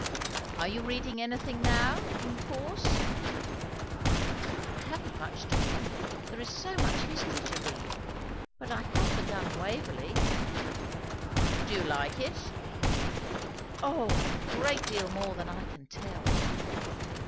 "Are you reading anything now, in course?" "I haven't much time, there is so much history to read. But I have begun 'Waverley.'" "Do you like it?" "O, a great deal more than I can tell!"